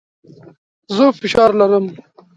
زه فشار لرم.